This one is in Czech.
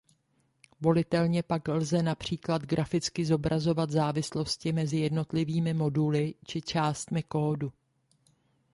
Volitelně pak lze například graficky zobrazovat závislosti mezi jednotlivými moduly či částmi kódu.